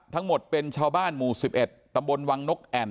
ทั้งหมดเป็นชาวบ้านหมู่๑๑ตำบลวังนกแอ่น